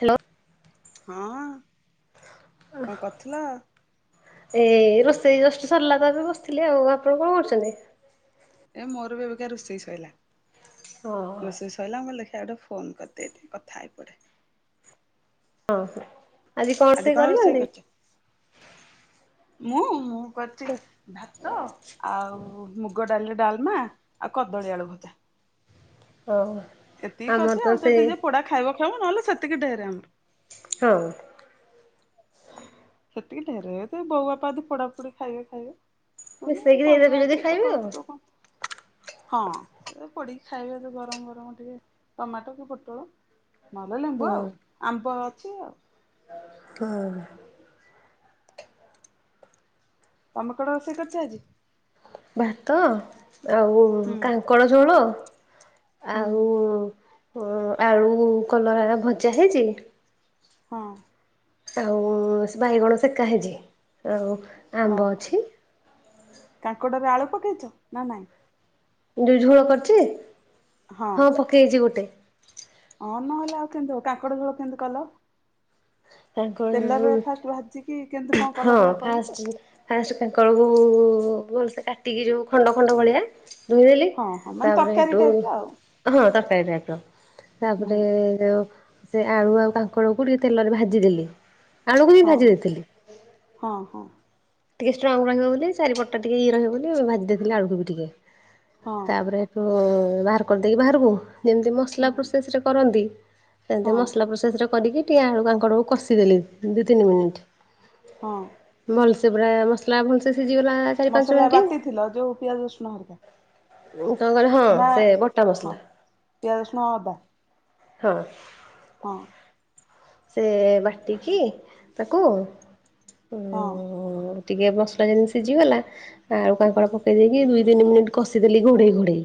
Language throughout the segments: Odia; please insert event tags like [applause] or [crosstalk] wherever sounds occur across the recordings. ହେଲୋ ହଁ କ କରଥିଲ? ଏ ଏ ରୋଷେଇ ଜଷ୍ଟ ସରିଲା ତ ଏବେ ବସିଥିଲି ଆଉ ଆପଣ କଣ କରୁଛନ୍ତି? ଏ ମୋର ବି ଏବେକା ରୋଷେଇ ଶୋଇଲା ହଁ ରୋଷେଇ ସଇଲା ମୁଁ କହିଲି ଦେଖି ଆଉ ଟିକେ ଫୋନ୍ କରିଦିଏ ଏ ଟି କଥା ହେଇପଡ଼େ। ହଁ ହଁ ଆଜି କଣ ରୋଷେଇ କରିଚ? ମୁଁ ଉ କରିଛି ଭାତ ଆଉ ମୁଗ ଡାଲିରେ ଡାଲ୍ମା ଆଉ କଦଳୀ ଆଳୁ ଭଜା। [inaudible] ଏତିକି ଆମର ଅଛି ତ ଆଉ ସେ ଯଦି ଯିଏ ପୋଡା ଖାଇବ ଖାଇବ ନହେଲେ ସେତିକି ଢେରେ ଆମର। ହଁ ସେତିକି ଢେରେ ତ ବଉ ବାପାଦି ପୋଡାପୋଡି ଖାଇବେ ଖାଇବେ। ମିଶେଇକି ଦେଇଦେବେ ଯଦି ପରିବାଅଛି ଖାଇବେ ପୁଟଳ ଆଉ। ଫୁଟଳ କଣ ହଁ ସେ ପଡିକି ଖାଇବେ ତ ଗରମ ଗରମ ଟିକେ ଟମାଟୋ କୁ ପୋଟଳ। ନହେଲ ଲେମ୍ବୁ ହଁ ଆଉ ଆମ୍ବ ଅଛି ଆଉ [unintelligible] ତମେ କୋଡ଼ ରୋଷେଇ କରିଛ ଆଜି। ଭାତ ଆଉ ହୁଁ କାଙ୍କଡ଼ ଝୋଳ ହୁଁ ଆଉ ହଁ ଆଳୁ କଲରା ଭଜା ହେଇଛି। ହଁ। ଆଉ ସେ ବାଇଗଣ ସେକା ହେଇଚି ଆଉ ଆମ୍ବ ଓହୋ ଅଛି କାଙ୍କଡରେ ଆଳୁ ପକେଇଛ ନା ନାଇଁ ଷୋଉ ଝୋଳ କରିଛି। ହଁ ପକେଇଛି ଗୋଟେ। ହଁ ନହେଲେ ଆଉ କେମତି ହବ କାଙ୍କଡ଼ ଝୋଳ କେମତି କଲ? ତେଲରେ କାଙ୍କଡ଼ ଫାଷ୍ଟ ଭାଜିକି କେମତି କଣ ହଁ କଲ ଦେହା କହିଲ। ଫାଷ୍ଟ ଫାଷ୍ଟ କାଙ୍କଳକୁ ଭଲସେ କାଟିକି ଯୋଉଁ ଖଣ୍ଡ ଖଣ୍ଡ ଭଳିଆ ରୋଇଦେଲି ହଁ ହଁ ମାନେ ତାପରେ ତରକାରୀ ହେଠୁ ଟାଇପ୍ ର ଆଉ ହଁ ତରକାରୀ ଦାୟିତ୍ଵ ହୁଁ ତାପରେ ସେ ଆଳୁ ଆଉ କାଙ୍କଡ କୁ ଟିକେ ତେଲରେ ଭାଜି ଭାଜି ଦେଲି ଆଳୁକୁ ବି ହଁ ଭାଜି ଦେଇଥିଲି। ହଁ ହଁ ଟିକେ ଷ୍ଟ୍ରଙ୍ଗ ରହିବ ବୋଲି ଚାରିପଟା ଟିକେ ଇଏ ରହିବ ବୋଲି ଭାଜି ଦେଇଥିଲି ଆଳୁକୁ ବି ଟିକେ ହଁ ତାପରେ ବାହାର କରିଦେଇକି ବାହାରକୁ ଯେମିତି ହୁଁ ମସଲା ପ୍ରୋସେସରେ କରନ୍ତି। ସେମିତି ହଁ ମସଲା ପ୍ରୋସେସରେ କରିକି ଟିକେ ଆଳୁ କାଙ୍କଡ କୁ କଷିଦେଲି ଦି ତିନି ମିନିଟ। ହଁ ଭଲସେ ପୁରା ମସଲା ଭଲସେ ସିଝିଗଲା ଚାରି ପାଞ୍ଚ ମସଲା ମିନିଟ୍ ବାଟି ଥିଲ ଯୋଉ ପିଆଜ ରସୁଣ ହରିକା। ଉଁ କଣ କହିଲ ହଁ ନା ସେ ବଟା ହଁ ମସଲା। ପିଆଜ ରଶୁଣ ଅଦା। ହଁ ହଁ ସେ ବାଟିକି ତାକୁ- ହଁ ଉଁ ଟିକେ ମସଲା ଯେମିତି ସିଝିଗଲା ଆଳୁ ହୁଁ କାଙ୍କଡ ପକେଇ ଦେଇକି ଦୁଇ ତିନି ମିନିଟ୍ କଷିଦେଲି ଘୋଡେଇ ଘୋଡ଼େଇ।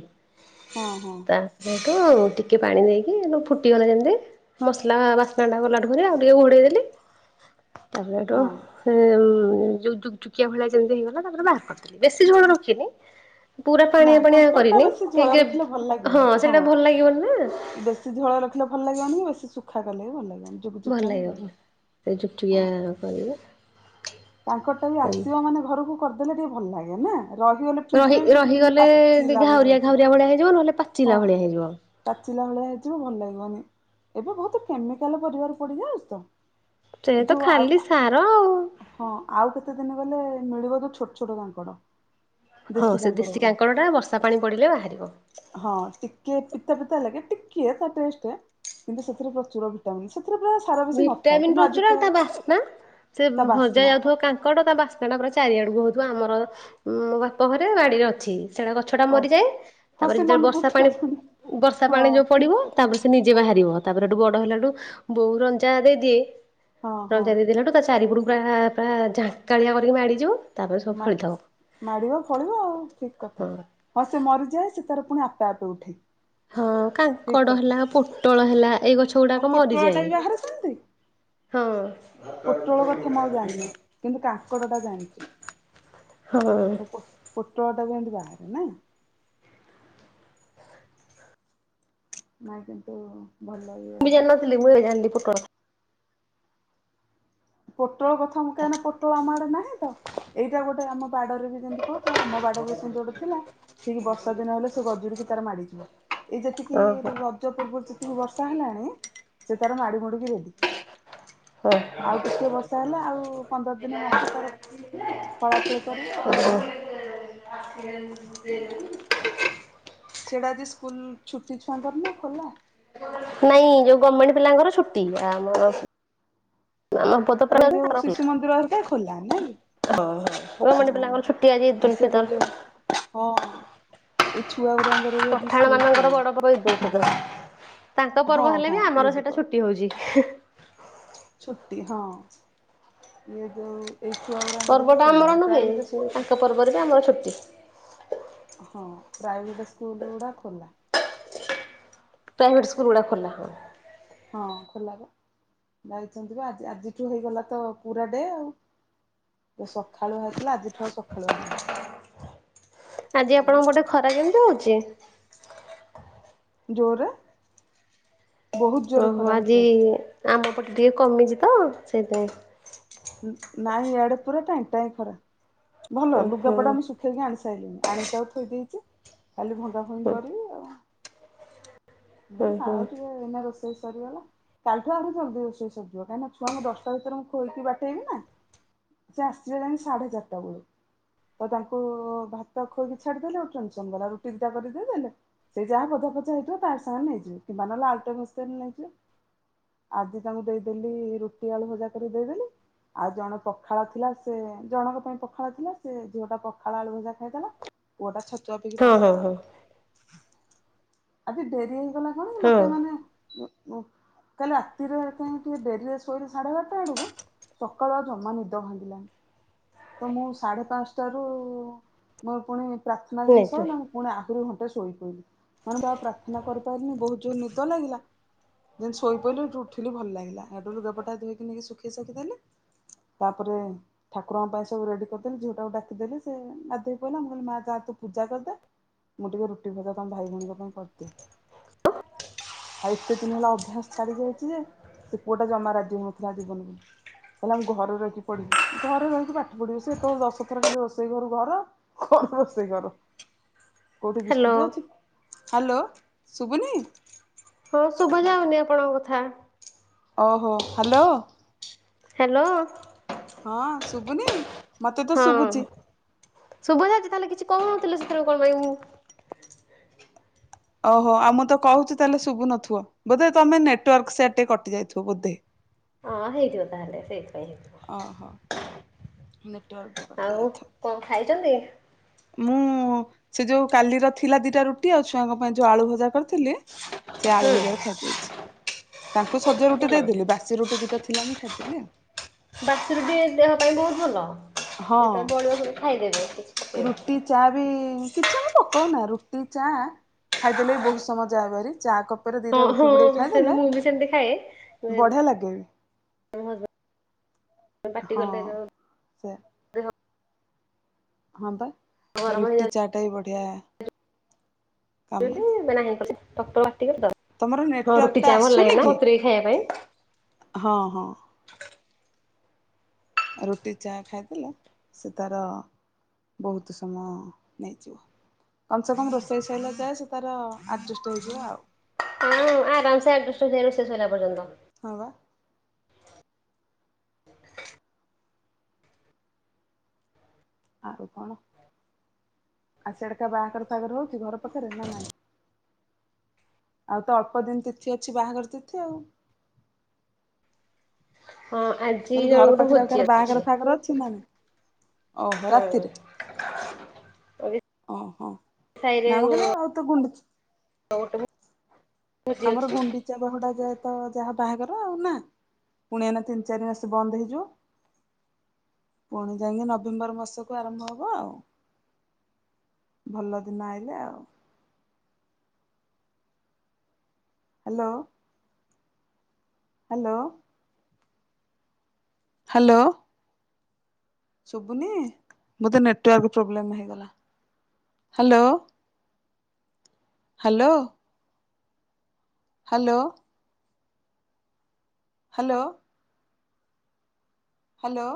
ହଁ ହଁ ତାପରେଠୁ ଟିକେ ପାଣି ଦେଇକି ଫୁଟିଗଲା ଯେମିତି ମସଲା ବାସ୍ [unintelligible] ଗଲାଠୁ କରି ଆଉ ଟିକେ ଘୋଡେଇ ଦେଲି ତାପରେଠୁ ହଁ ଉଁ ଯୋଉ ଯୁକଯୁକିଆ ଭଳିଆ ଯେମିତି ହେଇଗଲା ତାପରେ ବାହାର କରଥିଲି ବେଶୀ ଝୋଳ ରଖିନି। ପୁରା ନା ପାଣିଆ ପାଣିଆ କାଙ୍କରଟା କରିନି ବେଶୀ ଝୋଳ ରଖିଲେ ଭଲ କାହିଁକି ହଁ ସେଇଟା ଭଲ ଲାଗିବନି ନା। ସେ ଝୋଳ ରଖିଲେ ଭଲ ଲାଗିବନି କି ବେଶି ଶୁଖା କଲେ ବି ଭଲ ଲାଗିବନି। ଭଲ ଲାଗିବ ସେ ଜୁକ ଜୁକିଆ କରିବ। ତାଙ୍କର ଟା ବି ଆସିବ ମାନେ ଘରକୁ କରିଦେଲେ ଟିକେ ଭଲ ଲାଗେ ନା, ରହିଗଲେ ରହି ଫ୍ରିଜରେ ବି ସେଠୁ କେମିତି ରହିଗଲେ ପାଚିଲା ଭଳିଆ ଘାଉରିଆ ହେଇଯିବ ଘାଉରିଆ ଭଳିଆ ହେଇଯିବ, ନହେଲେ ହଁ। ପାଚିଲା ଭଳିଆ ହେଇଯିବ। ପାଚିଲା ଭଳିଆ ହେଇଯିବ ଭଲ ଲାଗିବନି ଏବେ ବହୁତ କେମିକାଲ ପରିବାର ପଡିଯାଉଛି ତ। ସେ ଏ ତ ଯୋଉ ଆଉ ଖାଲି ସାର ଆଉ। ହଁ ଆଉ କେତେ ଦିନ ଗଲେ ମିଳିବ ଯୋଉ ଛୋଟ ଛୋଟ କାଙ୍କଡ। ହଁ ସେ ଦେଶୀ କାଙ୍କଡ ଟା ବର୍ଷା ପାଣି ପଡିଲେ ବାହାରିବ। ହଁ ଟିକେ ପିତା ପିତା ଲାଗେ ଟିକେ ତା ଟେଷ୍ଟ କିନ୍ତୁ ସେଥିରେ ପ୍ରଚୁର ଭି ସେଥିରେ ପୁରା ସାର ବେଶୀ ନଥାଏ ଭିଟାମିନ୍ କିନ୍ତୁ ପ୍ରଚୁର ଆଉ ଆଜିକା ତା ବାସ୍ନା ସେ ତା ଭଜା ବାସ୍ନା ଯାଉଥିବା କା କାଙ୍କଡ଼ ତା ବାସ୍ନା ପୁରା ଚାରିଆଡକୁ ହଉଥିବ ଆମର ବାପ ଘରେ ବାଡିରେ ଅଛି ସେଇଟା ଗଛ ଟା ଓହୋ ମରିଯାଏ ହଁ ତାପରେ ସେ ଯେତେବେଳେ ମନକୁ ବର୍ଷା ଉଠେ ପାଣି ପୁଣି ବର୍ଷା ପାଣି ହଁ ଯୋଉ ପଡିବ ଠିକ୍ ତାପରେ ସେ ନିଜେ କଥା ହଁ ବାହାରିବ। ତାପରେଠୁ ବଡ ହେଲାଠୁ ବୋଉ ରଞ୍ଜା ଦେଇଦିଏ ହଁ ହଁ ରଞ୍ଜା ଦେଇ ଦେଲାଠୁ ତା ଚାରିପଟୁ ପୁରା ପୁରା ଝାଙ୍କାଳିଆ କରିକି ମାଡ଼ିଯିବ। ତାପରେ ସବୁ ମା ଫଳିଥବ ମାଡିବ ଫଳିବ ଆଉ ଠିକ କଥା। ହଁ ହଁ ସେ ମରିଯାଏ। ସେ ତାର ପୁଣି ଆପେ ଆପେ ଉଠେ। ହଁ ଠିକ୍ କାଙ୍କଡ଼ କଥା। ହେଲା ପୋଟଳ ହେଲା ଏଇ ଗଛ ଆଉ ଗୁଡାକ ପୋଟଳଟା ବି ମରିଯାଏ। ବାହାରେ ସେମିତି ହଁ ପୋଟଳ କଥା ମୁଁ ଆଉ ଜାଣିନି କିନ୍ତୁ କାଙ୍କଡ଼ଟା ହଁ ପୋ ପୋଟଳଟା ଏମିତି ବାହାରେ ନାଇଁ। ମାଆ କିନ୍ତୁ ଭଲ ଲା ମୁଁ ବି ଜାଣି ନଥିଲି, ମୁଁ ଏବେ ଜାଣିଲି ପୁଟଳ। ପୋଟଳ କଥା ମୁଁ କାହିଁକି ନା ପୋଟଳ ଆମ ଆଡେ ନାହିଁ ତ ଏଇଟା ଗୋଟେ ଆମ ବାଡରେ ବି ଯେମିତି କହୁଛ ଆମ ବାଡରେ ସେମିତି ଗୋଟେ ଥିଲା, ଠିକ ବର୍ଷା ଦିନ ହେଲେ ସେ ଗଜୁରି କି ତାର ମାଡିଯିବ। ଏଇ ଯେତିକି ଓହୋ ରଜ ପୂର୍ବରୁ ଯେତିକି ବର୍ଷା ହେଲାଣି ସେ ତାର ମାଡି ମୋଡିକି ରେଡି। ହଁ ଆଉ ଟିକେ ବର୍ଷା ହେଲେ ଆଉ ପନ୍ଦର ଦିନ ମାସେ ତାର ଫଳା ଫଳି କରିବେ ଆଉ। ଏୟା ସିଆଡେ ଆଜିି ସ୍କୁଲ ଛୁଟି ଛୁଆଙ୍କର ନା ଖୋଲା? ନାଇଁ ଯୋଉ ଗମେଣ୍ଟ ପିଲାଙ୍କର ଛୁଟି, ଆମର ଆମ ତ ଏଇ ପ୍ରାଇଭେଟ ଯୋଉ ଶିଶୁ ମନ୍ଦିର ହେରିକା ଖୋଲା ନାହିଁ କି? ଓହୋ ଗମେଣ୍ଟ ହଁ ପିଲାଙ୍କର ଛୁଟି ଆଜି ଆ ଇଦ ଉଲ ସେ ବା ଯୋଉ ଫିତର। ହଁ ଏ ଛୁଆ ଗୁରାଙ୍କର ବି ଆଜି ପଠାଣ ସ୍କୁଲ ମାନଙ୍କର ଖୋଲା। ବଡ ପର୍ବ ତାଙ୍କ ହଁ ପର୍ବ ହେଲେ ହଁ ବି ଆମର ଇଦ୍ ସେଇଟା ପରେ ଛୁଟି ହଉଚି। ଛୁଟି ହଁ, ଇଏ ଯୋଉ ଏଇ ଛୁଆଗୁରା ପର୍ବଟା ଆମର ନୁହେଁ କିନ୍ତୁ ତାଙ୍କ ପର୍ବରେ ବି ଆମର ଛୁଟି। ହଁ ପ୍ରାଇଭେଟ ସ୍କୁଲ ଗୁଡା ଖୋଲା। ପ୍ରାଇଭେଟ ସ୍କୁଲ ଗୁଡା ଖୋଲା ହଁ। ହଁ ଖୋଲା ବା ଯାଇଛନ୍ତି ବା ଆଜି ଆଜିଠୁ ହେଇଗଲା ତ ପୁରା ଡେ ଆଉ। ଏ ସଖାଳୁଆ ହଉଥିଲା, ଆଜିଠୁ ଆଉ ସଖାଳୁଆ ନାହିଁ। ଆଜି ଆପଣଙ୍କ ହେଇଗଲା ପଟେ ଆଉ ଖରା କେମିତି ହଉଚି? ଜୋରେ। ଓହୋ ଆଜି ଆମ ପଟେ ଟିକେ କମିଚି ତ ସେଇଥିପାଇଁ। ନାଇଁ ଇଆଡେ ପୁରା ଟାଇଁ ଟାଇଁ ଖରା, ଭଲ ଓ ହୋ। ଲୁଗାପଟା ମୁଁ ଶୁ ଖେଇକି ଆଣି ସାଇଲିଣିିଜ ଆଣିକି ତାକୁ ଥୋଇ ଦେଇଛି, ଖାଲି ଭଙ୍ଗା ଭଙ୍ଗି ହୁଁ କରିବି ଆଉ। ମୁଁ ହୁଁ କହିଲି ହୁଁ ଥାଉ ଟିକେ ଏଇନା ରୋଷେଇ ସରିଗଲା। କାଲିଠୁ ଆମ ଜଲଦି ରୋଷେଇ ସରିଯିବ କାଇଁନା ଛୁଆଙ୍କୁ ଦଶଟା ଭିତରେ ମୁଁ ଖୋଇକି ବାଠେଇବି ନା। ସେ ଆସିବେ ଯାଇଁ ସାଢ଼େ ଚାରିଟା ବଳୁ ତ ତାଙ୍କୁ ଭାତ ଖୋଇକି ଛାଡିଦେଲେ ଗୋଟେ ଟେନସନ ଗଲା, ରୁଟି ଦିଟା କରି ଦେଇଦେଲେ ସେଇ ଯାହା ଭଜା ଫଜା ହେଇଥିବ ତାରି ସାଙ୍ଗରେ ନେଇଯିବେ କିମ୍ବା ନହଲେ ଆଳୁଟେ ଭାଜିଦେଲେ ନେଇଯିବେ। ଆଜି ତାଙ୍କୁ ଦେଇଦେଲି ରୁଟି ଆଳୁ ଭଜା କରି ଦେଇଦେଲି। ଆଉ ଜଣ ପଖାଳ ଥିଲା ସେ ଜଣଙ୍କ ପାଇଁ ପଖାଳ ଥିଲା ସେ ଝିଅଟା ପଖାଳ, ଆଳୁ ଭଜା ଖାଇଦେଲା ପୁଅଟା ଛତୁଆ ପିଇକି ହଁ ହଁ ପଳେଇଲା ଆଉ। ହଁ ଆଜି ଡେରି ହେଇଗଲା କଣ ହଁ ମତେ ମାନେ କାଲି ରାତିରେ କାଇଁ ଟିକେ ଡେରିରେ ଶୋଇଲି ସାଢେ ବାରଟା ଆଡକୁ ସକାଳୁ ଆଉ ଜମା ନିଦ ଭାଙ୍ଗିଲାନି। ତ ମୁଁ ସାଢ଼େ ପାଞ୍ଚଟାରୁ ମୋର ପୁଣି ପ୍ରାର୍ଥନା ଯେମତି ନେଇଯିବେ। ସଇଲା ମୁଁ ପୁଣି ଆହୁରି ଘଣ୍ଟେ ଶୋଇ ପଇଲି, [unintelligible] ପ୍ରାଥନା କରିପାରିଲିନି ବହୁତ ଜୋର ନିଦ ଲାଗିଲା। ଯେମତି ଶୋଇ ପାଇଲି ସୋଉଠୁ ଉଠିଲି ଭଲ ଲାଗିଲା, ସେଟୁ ଲୁଗାପଟା ଧୋଇକି ନେଇକି ଶୁଖେଇ ଶାଖି ଦେଲି ତାପରେ ଠାକୁଙ୍କ ପାଇଁ ସବୁ ରେଡି କରିଦେଲି ଝିଅଟାକୁ ଡାକିଦେଲି, ସେ ଗାଧେଇ ପଇଲା, ମୁଁ କହିଲି ମା ଯା ତୁ ପୂଜା କରିଦେ ମୁଁ ଟିକେ ରୁଟି ଭଜା ତମ ଭାଇ ଭଉଣୀଙ୍କ ପାଇଁ କରିଦିଏ। ଆଉ ଏତେ ଦିନ ହେଲା ଅଭ୍ୟାସ ଛାଡି ଯାଇଚି ଯେ ସେ ପୁଅଟା ଜମା ରାଜି ହଉନଥିଲା ଯିବନି ବୋଲି। କହିଲା ମୁଁ ଘରେ ରହିକି ପଢିବି। ଘରେ ରହିକି ପାଠ ପଢିବେ ସିଏ ସେତେବେଳୁ ଦଶଥର ଖାଲି ରୋଷେଇ ଘରୁ ଘର, ଘରୁ ରୋଷେଇ ଘର। କୋଉଠି ହ୍ୟାଲୋ ବିସ୍କୁଟ ଅଛି, ହାଲୋ ଶୁବୁନି? ହଁ ଶୁଭା ଯାଉନି ଆପଣଙ୍କ କଥା। ଓହୋ ହାଲୋ। ହ୍ୟାଲୋ। ହଁ ଶୁଭୁନି? ମତେ ତ ହଁ ଶୁଭୁଛି। ଶୁଭା ଯାଉଛି ତାହେଲେ କିଛି କହୁ ନଥିଲ ସେତେବେଳେ କଣ ପାଇଁ ମୁଁ ଓହୋ ଆ ମୁଁ ତ କହୁଚି ତାହେଲେ ଶୁଭୁ ନ, ବୋଧେ ତମେ ନେଟୱର୍କ ସିଆଡେ ଟିକେ କଟି ଯାଇଥିବ ବୋଧେ। ହଁ ହେଇଥିବ ତାହେଲେ ସେଇଥିପାଇଁ ହେଇଥିବ। ଅହୋ ନେଟୱର୍କ ଟିକେ କଟି ଯାଇଥିବ। କଁ ଖାଇଛନ୍ତି? ମୁଁ ସେ ଯୋଉ କାଲିର ଥିଲା ଦିଟା ରୁଟି ଆଉ ଛୁଆଙ୍କ ପାଇଁ ଯୋଉ ଆଳୁ ଭଜା କରିଥିଲି ସେ ଆଳୁ ହୁଁ ଭଜାରେ ଖାଇ ଦେଇଛି। ତାଙ୍କୁ ସଜ ରୁଟି ଭଲ ଭଲ ଦେଇଦେଲି ବାସି ରୁଟି ଦିଟା ଥିଲା ମୁଁ ଖାଇଦେଲି ଆଉ। ବାସରୁ ବି ଦେହ ପାଇଁ ବହୁତ ଭଲ ଯେତେବେଳେ ହଁ ବଳିବ ଖାଇଦେବେ କିଛି ପକେଇବେ ନି ରୁଟି ଚା ବି କିଛି ଆମେ ପକାଉ ନା ରୁଟି ଚା ଖାଇଦେଲେ ବି ବହୁତ ସମୟ ଯାହାବାରି ଚା କପ୍ ହଁ ହଁ ସେମତି ମୁଁ ବି ସେମତି ଖାଏ। ବଢିଆ ଲାଗେ ବି [inaudible] ପାଟି ହଁ କଲେ ଯୋଉ ସେ ଦେହ ହଁ ବା ଗରମ ରୁଟି ହେଇଯାଉଛି ଚାଟା ବି ବଢିଆ କାମ ଦିଏ ଏବେ ନାହିଁ ଡକ୍ଟର ପାଟି କଲେ ତ ତମର ହଁ ନେଟୱାର୍କ ରୁଟି ଟା ଚା ଭଲ ଆସୁନି ଲାଗେ କି ବତୁରାଇ ଖାଇବା ପାଇ। ହଁ ହଁ ରୁଟି ଚା ଖାଇଥିଲେ ସେ ତାର ବହୁତ ସମୟ ନେଇଯିବ। କମ ସେ କମ ରୋଷେଇ ସରଲା ଯାଏ ସେ ତାର ଆଡ଼ଜଷ୍ଟ ହେଇ ଯିବା ଆଉ। ହୁଁ ଆରାମ ସେ ଆଡ଼ଜଷ୍ଟ ହେଇଯାଏ ରୋଷେଇ ସଇଲା ପର୍ଯ୍ୟନ୍ତ। ହଁ ବା ଆଉ କଣ ଆଉ ସିଆଡ଼କା ବାହାଘର ଫାଗର ହଉଛି ଘର ପାଖରେ ନା ନାଇଁ ଆଉ ତ ଅଳ୍ପ ଦିନ ତିଥି ଅଛି ବାହାଘର ତିଥି ଆଉ ହଁ ଆଜି ଜଣଙ୍କରୁ ଭୋଜି ଅଛି ଘରେ ଅଛି ନାହିଁ ହଁ [inaudible] ଓହୋ ସାହିରେ ନମଗଲେ ଆଉତ ଗୁଣ୍ଡୁଚି ବୁଝ ଆମର ଗୁଣ୍ଡିଚା ବାହୁଡା ଯାଏ ତ ଯାହା ବାହାଘର ଆଉ ନା ପୁଣି ଏଇନା ତିନି ଚାରିି ମାସେ ବନ୍ଦ ହେଇଯିବ। ପୁଣି ଯାଇକି ନଭେମ୍ବର ମାସକୁ ଆରମ୍ଭ ହବ ଆଉ। ଭଲ ଦିନ ଆଇଲେ ଆଉ ହ୍ୟାଲୋ ହ୍ୟାଲୋ ହ୍ୟାଲୋ ସୁବୁନି ବୋଧେ ନେଟୱାର୍କ ପ୍ରୋବେଲମ ହେଇଗଲା। Hello hello hello hello hello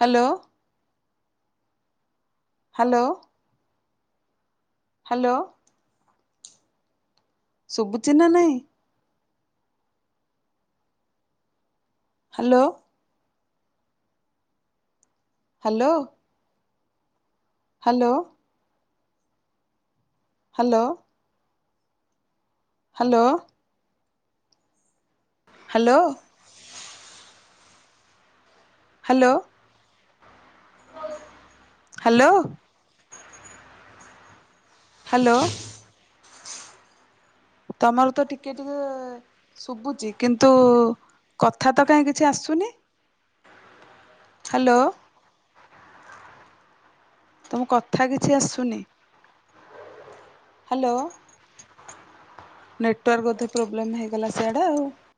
hello hello hello ଶୁଭୁ ଚିନା ନାହିଁ? Hello hello hello hello hello hello hello hello hello ତମର ତ ଟିକେ ଟିକେ ଶୁଭୁଛି କିନ୍ତୁ କଥା ତ କାହିଁ କିଛି ଆସୁନି? ହ୍ୟାଲୋ ତମ କଥା କିଛି ଆସୁନି। [inaudible] ହ୍ୟାଲୋ ନେଟୱାର୍କ ବୋଧେ ପ୍ରୋବ୍ଲେମ୍ ହେଇଗଲା ସିଆଡେ ଆଉ।